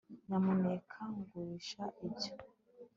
nyamuneka ngurisha ibyo